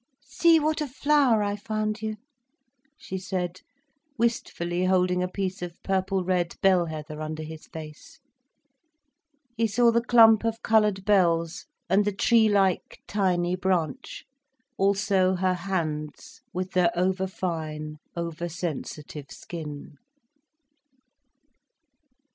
"See what a flower I found you," she said, wistfully holding a piece of purple red bell heather under his face. He saw the clump of coloured bells, and the tree like, tiny branch: also her hands, with their over fine, over sensitive skin.